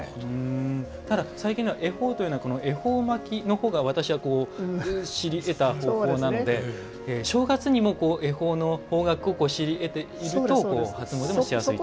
最近では恵方というのは恵方巻きの方が私は、知り得た方法なので正月にも恵方の方角を知り得ていると初詣をしやすいと。